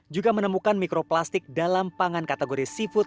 juga menemukan mikroplastik dalam pangan kategori seafood